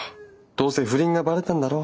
どうせ不倫がバレたんだろ。